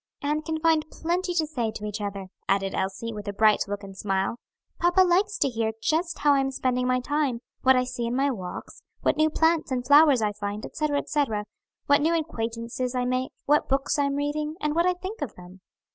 "And can find plenty to say to each other," added Elsie, with a bright look and smile. "Papa likes to hear just how I am spending my time, what I see in my walks, what new plants and flowers I find, etc., etc.; what new acquaintances I make, what books I am reading, and what I think of them."